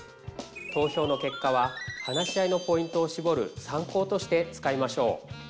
投票の結果は話し合いのポイントをしぼる参考として使いましょう。